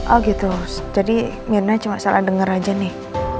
oh gitu jadi mirna cuma salah dengar aja nih